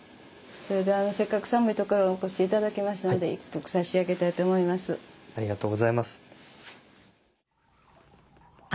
それではせっかく寒いところをお越し頂きましたので一服差し上げたいと思います。